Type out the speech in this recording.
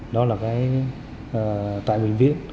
đó là cái tại bệnh viện